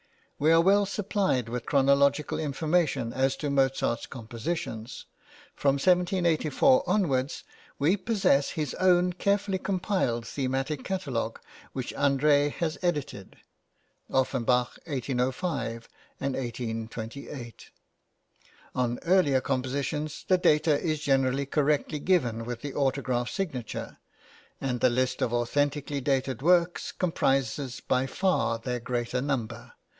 We are well supplied with chronological information as to Mozart's compositions. From 1784 onwards we possess his own carefully compiled thematic catalogue which André has edited (Offenbach, 1805 and 1828). On earlier compositions the data is generally correctly given with the autograph signature, and the list of authentically dated works comprises by far their greater number.